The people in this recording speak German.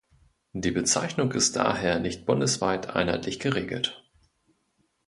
Die Bezeichnung ist daher nicht bundesweit einheitlich geregelt.